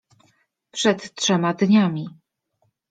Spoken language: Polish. — Przed trzema dniami!